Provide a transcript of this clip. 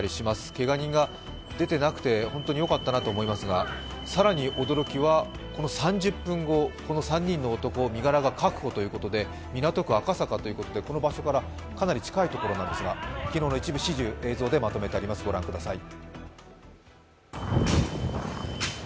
けが人が出てなくて本当によかったなと思いますが更に驚きはこの３０分後、この３人の男、身柄確保ということで港区赤坂ということで、この場所からかなり近いところなんですが昨日の一部始終、映像でまとめてあります、ご覧ください。